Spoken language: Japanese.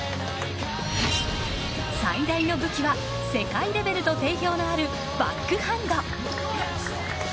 最大の武器は世界レベルと定評のあるバックハンド。